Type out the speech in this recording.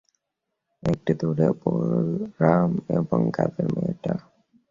একটু দূরে বলরাম এবং কাজের মেয়েটা।